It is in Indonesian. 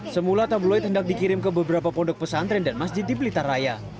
semula tabloid hendak dikirim ke beberapa pondok pesantren dan masjid di blitar raya